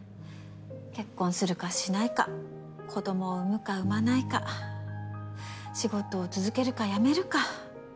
結婚するかしないか子供を産むか産まないか仕事を続けるか辞めるか。